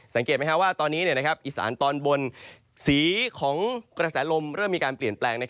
สังเกตไหมว่าตอนนี้อีสานตอนบนสีของกระแสลมเริ่มมีการเปลี่ยนแปลง